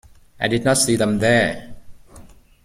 I did not see them there.